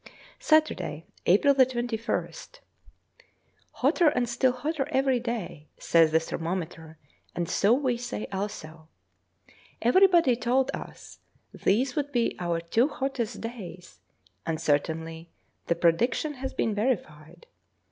Saturday, April 21st. Hotter and still hotter every day, says the thermometer, and so we say also. Everybody told us these would be our two hottest days, and certainly the prediction has been verified.